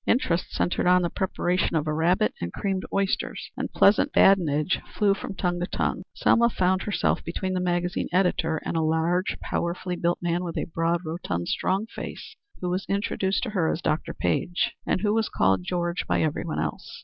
Interest centred on the preparation of a rabbit and creamed oysters, and pleasant badinage flew from tongue to tongue. Selma found herself between the magazine editor and a large, powerfully built man with a broad, rotund, strong face, who was introduced to her as Dr. Page, and who was called George by every one else.